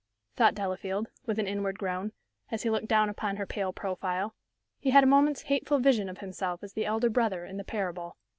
thought Delafield, with an inward groan, as he looked down upon her pale profile. He had a moment's hateful vision of himself as the elder brother in the parable.